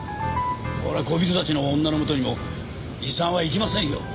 これは恋人たちの女のもとにも遺産はいきませんよ。